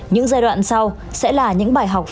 những giai đoạn sau sẽ là những bài học